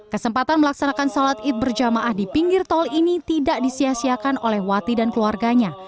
kesempatan melaksanakan sholat id berjamaah di pinggir tol ini tidak disiasiakan oleh wati dan keluarganya